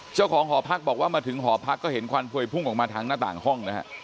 เจ้าของหอพักบอกว่ามาถึงหอพักก็เห็นควันพวยพุ่งออกมาทางหน้าต่างห้องนะฮะ